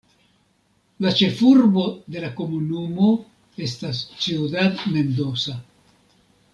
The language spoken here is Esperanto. La ĉefurbo de la komunumo estas Ciudad Mendoza.